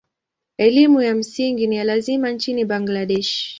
Elimu ya msingi ni ya lazima nchini Bangladesh.